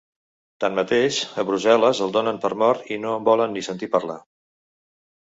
Tanmateix, a Brussel·les el donen per mort i no en volen ni sentir parlar.